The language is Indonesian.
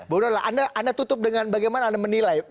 bu donal anda tutup dengan bagaimana anda menilai